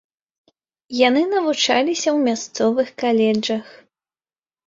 Яны навучаліся ў мясцовых каледжах.